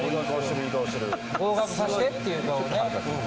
合格させてっていう顔ね。